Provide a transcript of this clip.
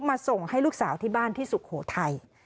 ส่งให้ลูกสาวที่บ้านที่สุโขทัย